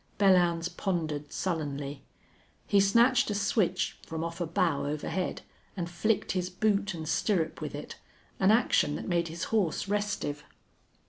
Belllounds pondered sullenly. He snatched a switch from off a bough overhead and flicked his boot and stirrup with it, an action that made his horse restive.